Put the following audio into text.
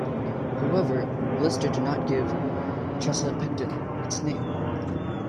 However, Lister did not give "Chesapecten" its name.